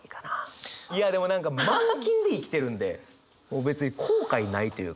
いやでも何かマンキンで生きてるんでもう別に後悔ないというか。